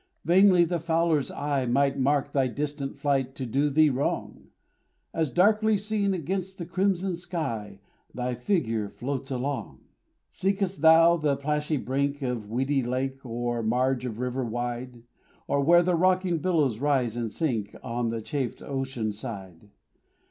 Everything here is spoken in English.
Vainly the fowler's eye Might mark thy distant flight to do thee wrong, As, darkly seen against the crimson sky, Thy figure floats along. Seek'st thou the plashy brink Of weedy lake, or marge of river wide, Or where the rocking billows rise and sink On the chafed ocean side?